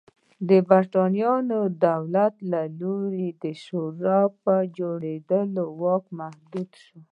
د برېټانیا دولت له لوري د شورا په جوړېدو واک محدود شو.